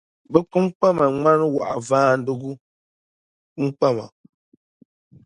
bɛ kpiŋkpama ŋmani waɣivaanigu kpinkpama.